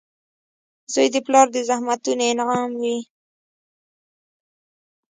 • زوی د پلار د زحمتونو انعام وي.